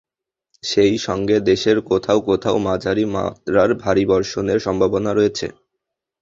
সেই সঙ্গে দেশের কোথাও কোথাও মাঝারি মাত্রার ভারী বর্ষণের সম্ভাবনা রয়েছে।